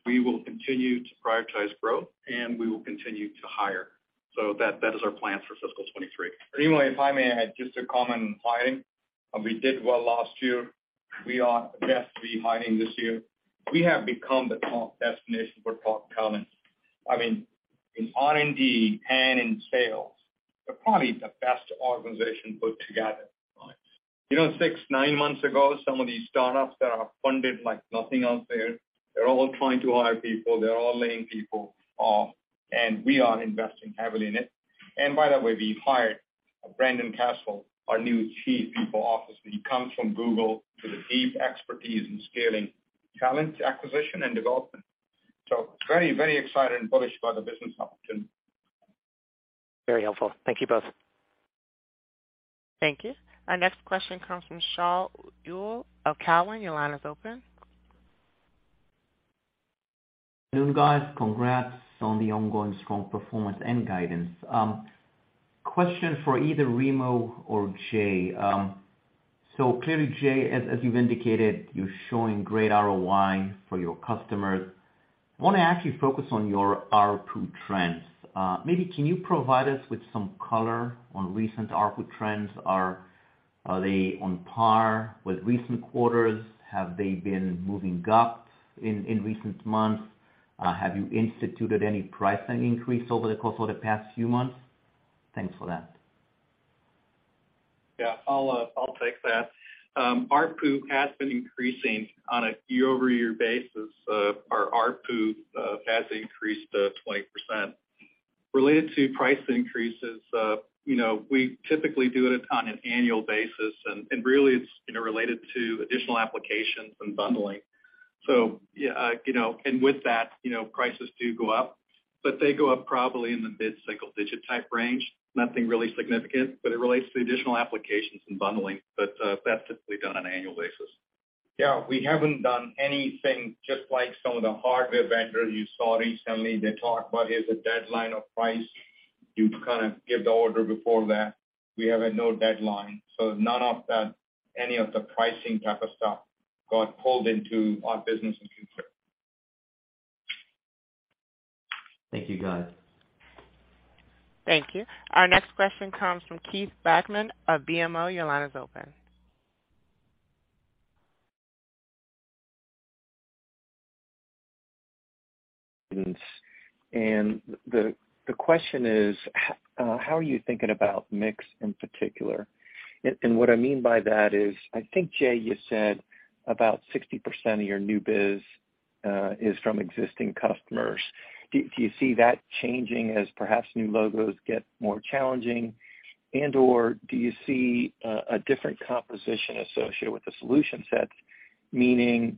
we will continue to prioritize growth and we will continue to hire. That is our plan for fiscal 2023. Remo, if I may add just a comment in hiring. We did well last year. We are best to be hiring this year. We have become the top destination for top talent. I mean, in R&D and in sales, we're probably the best organization put together. You know, six, nine months ago, some of these startups that are funded like nothing out there, they're all trying to hire people, they're all laying people off, and we are investing heavily in it. By the way, we hired Brendan Castle, our new Chief People Officer. He comes from Google with a deep expertise in scaling talent acquisition and development. Very, very excited and bullish about the business opportunity. Very helpful. Thank you both. Thank you. Our next question comes from Shaul Eyal of Cowen. Your line is open. Good afternoon, guys. Congrats on the ongoing strong performance and guidance. Question for either Remo or Jay. Clearly, Jay, as you've indicated, you're showing great ROI for your customers. I wanna actually focus on your ARPU trends. Maybe can you provide us with some color on recent ARPU trends? Are they on par with recent quarters? Have they been moving up in recent months? Have you instituted any pricing increase over the course of the past few months? Thanks for that. Yeah. I'll take that. ARPU has been increasing on a year-over-year basis. Our ARPU has increased 20%. Related to price increases, you know, we typically do it on an annual basis and really it's, you know, related to additional applications and bundling. You know, and with that, you know, prices do go up, but they go up probably in the mid-single digit type range. Nothing really significant, but it relates to additional applications and bundling. That's typically done on an annual basis. Yeah. We haven't done anything just like some of the hardware vendors you saw recently. They talk about a deadline for price. You kind of give the order before that. We have no deadline, so none of that, any of the pricing type of stuff got pulled into our business and future. Thank you, guys. Thank you. Our next question comes from Keith Bachman of BMO. Your line is open. The question is how are you thinking about mix in particular? What I mean by that is, I think, Jay, you said about 60% of your new biz is from existing customers. Do you see that changing as perhaps new logos get more challenging? And/or do you see a different composition associated with the solution sets, meaning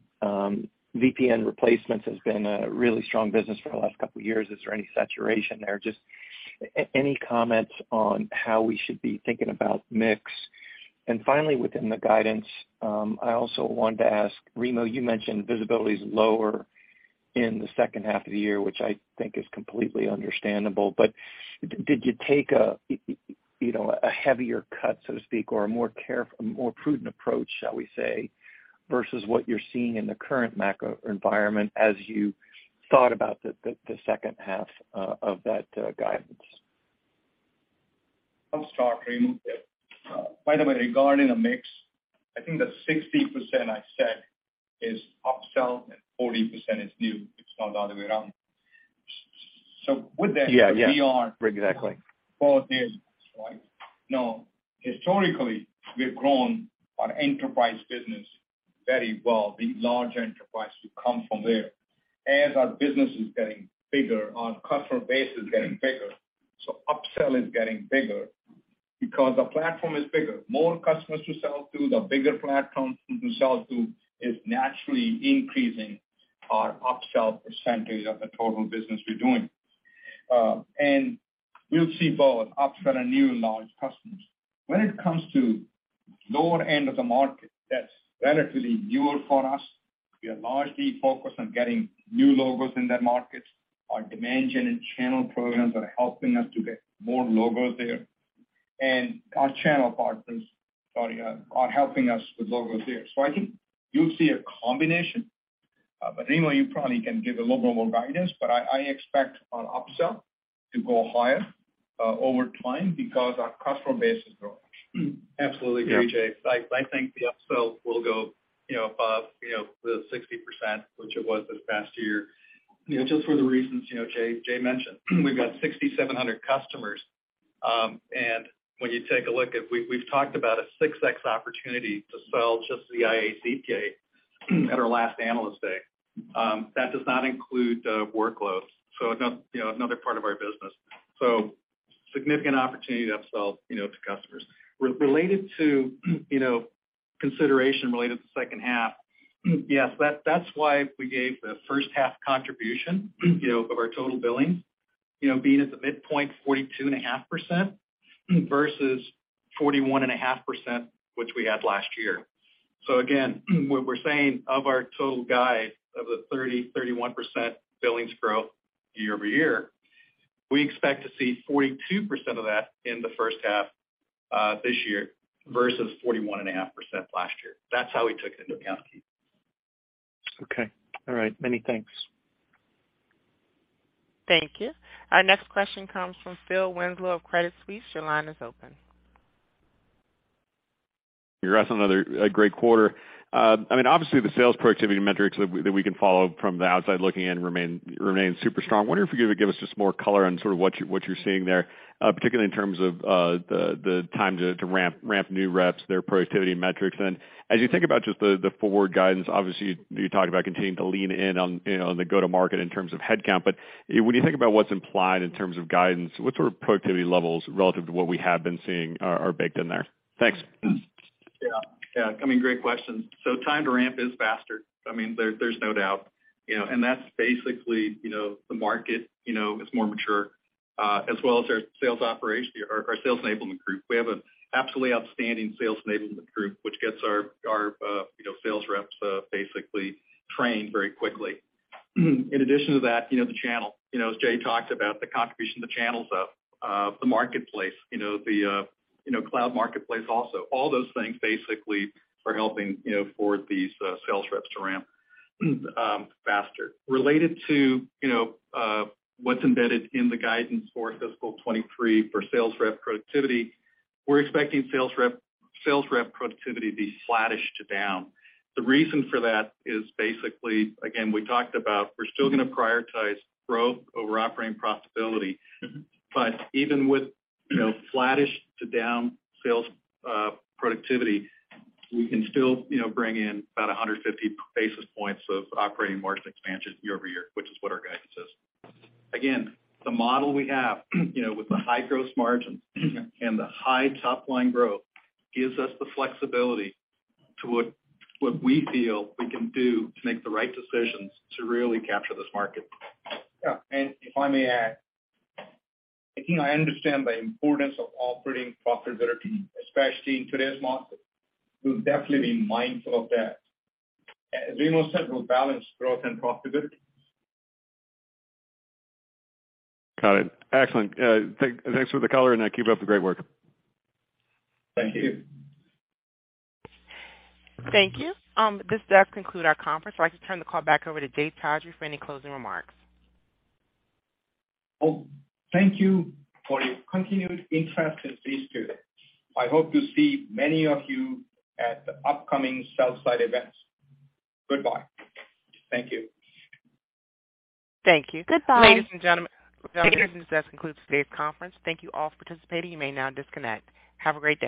VPN replacements has been a really strong business for the last couple years. Is there any saturation there? Just any comments on how we should be thinking about mix. Finally, within the guidance, I also wanted to ask, Remo, you mentioned visibility is lower in the second half of the year, which I think is completely understandable. Did you take a heavier cut, so to speak, or a more prudent approach, shall we say, versus what you're seeing in the current macro environment as you thought about the second half of that guidance? I'll start, Keith. By the way, regarding the mix, I think the 60% I said is upsell and 40% is new. It's not the other way around. With that. Yeah, yeah. We are. Exactly. Four days, that's right. Now, historically, we've grown our enterprise business very well, the large enterprise to come from there. As our business is getting bigger, our customer base is getting bigger, so upsell is getting bigger. Because the platform is bigger, more customers to sell to, the bigger platform to sell to is naturally increasing our upsell percentage of the total business we're doing. We'll see both upsell and new and large customers. When it comes to lower end of the market that's relatively newer for us, we are largely focused on getting new logos in that market. Our demand gen and channel programs are helping us to get more logos there. Our channel partners, sorry, are helping us with logos there. I think you'll see a combination. Remo, you probably can give a little more guidance, but I expect our upsell to go higher over time because our customer base is growing. Absolutely agree, Jay. I think the upsells will go, you know, above, you know, the 60%, which it was this past year, you know, just for the reasons, you know, Jay mentioned. We've got 6,700 customers. We've talked about a 6x opportunity to sell just the ZIA gate at our last analyst day. That does not include the workloads, so another part of our business. Significant opportunity to upsell, you know, to customers. Regarding related to consideration related to second half, yes, that's why we gave the first half contribution, you know, of our total billings, you know, being at the midpoint 42.5% versus 41.5%, which we had last year. Again, what we're saying of our total guide of the 30-31% billings growth year-over-year, we expect to see 42% of that in the first half this year versus 41.5% last year. That's how we took it into account, Keith. Okay. All right, many thanks. Thank you. Our next question comes from Phil Winslow of Credit Suisse. Your line is open. Congrats on another great quarter. I mean, obviously, the sales productivity metrics that we can follow from the outside looking in remain super strong. Wondering if you could give us just more color on sort of what you're seeing there, particularly in terms of the time to ramp new reps, their productivity metrics. As you think about just the forward guidance, obviously, you talk about continuing to lean in on, you know, on the go-to-market in terms of headcount. When you think about what's implied in terms of guidance, what sort of productivity levels relative to what we have been seeing are baked in there? Thanks. I mean, great question. Time to ramp is faster. I mean, there's no doubt, you know. That's basically, you know, the market, you know, is more mature, as well as our sales enablement group. We have an absolutely outstanding sales enablement group, which gets our sales reps basically trained very quickly. In addition to that, you know, the channel, you know, as Jay talked about, the contribution of the channels, the marketplace, you know, the cloud marketplace also. All those things basically are helping, you know, for these sales reps to ramp faster. Related to, you know, what's embedded in the guidance for fiscal 2023 for sales rep productivity, we're expecting sales rep productivity to be flattish to down. The reason for that is basically, again, we talked about we're still gonna prioritize growth over operating profitability. Even with, you know, flattish to down sales productivity, we can still, you know, bring in about 150 basis points of operating margin expansion year-over-year, which is what our guidance is. Again, the model we have, you know, with the high gross margins and the high top-line growth gives us the flexibility to do what we feel we can do to make the right decisions to really capture this market. Yeah. If I may add, I think I understand the importance of operating profitability, especially in today's market. We'll definitely be mindful of that. As Remo said, we'll balance growth and profitability. Got it. Excellent. Thanks for the color, and keep up the great work. Thank you. Thank you. This does conclude our conference. I can turn the call back over to Jay Chaudhry for any closing remarks. Oh, thank you for your continued interest in Zscaler. I hope to see many of you at the upcoming sell-side events. Goodbye. Thank you. Thank you. Goodbye. Ladies and gentlemen, this does conclude today's conference. Thank you all for participating. You may now disconnect. Have a great day.